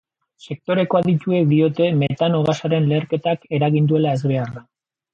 Sektoreko adituek diote metano gasaren leherketak eragin duela ezbeharra.